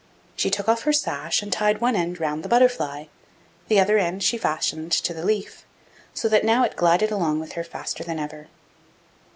She took off her sash, and tied one end round the butterfly; the other end she fastened to the leaf, so that now it glided along with her faster than ever.